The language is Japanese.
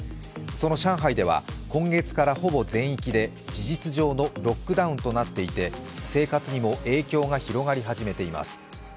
その上海では今月からほぼ全域で事実上のロックダウンとなっていて生活にも影響が広がり始めています。